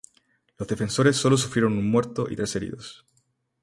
Los defensores sólo sufrieron un muerto y tres heridos.